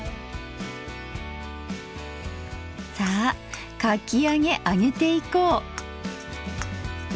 さあかき揚げ揚げていこう。